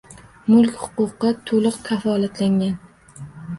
Mulk huquqi to'liq kafolatlangan